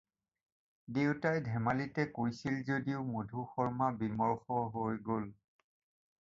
দেউতাই ধেমালিতে কৈছিল যদিও মধু শৰ্মা বিমৰ্ষ হৈ গ'ল।